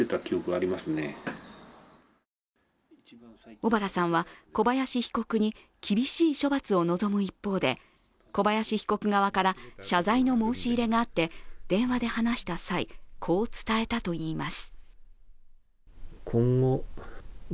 小原さんは、小林被告に厳しい処罰を望む一方で小林被告側から謝罪の申し入れがあって電話で話した際こう伝えたといいます。